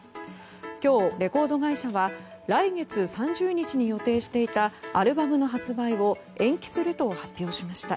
今日、レコード会社は来月３０日に予定していたアルバムの発売を延期すると発表しました。